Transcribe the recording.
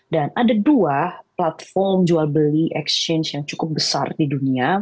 dan ada dua platform jual beli exchange yang cukup besar di dunia